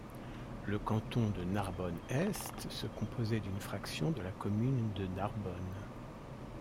Le canton de Narbonne-Est se composait d’une fraction de la commune de Narbonne.